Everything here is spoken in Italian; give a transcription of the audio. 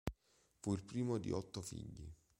Fu il primo di otto figli.